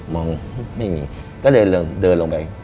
มองไม่มีก็เดินลงไป